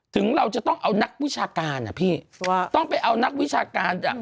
ถึงเราต้องไปเอานักวิชาการ